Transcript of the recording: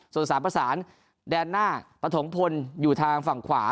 ส่วนสามผสานแดนหน้าตะโถงพลอยู่ทางฝั่งขวา